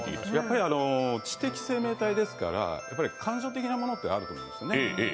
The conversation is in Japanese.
知的生命体ですから感情的なものはあるんですね。